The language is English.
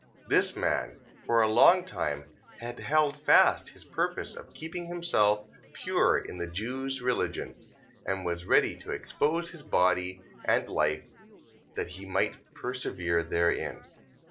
14:38. This man, for a long time, had held fast his purpose of keeping himself pure in the Jews' religion, and was ready to expose his body and life, that he might persevere therein.